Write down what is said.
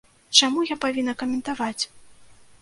Чаму я павінна каментаваць?